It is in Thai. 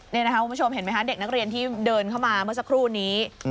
นี่นะคะคุณผู้ชมเห็นไหมคะเด็กนักเรียนที่เดินเข้ามาเมื่อสักครู่นี้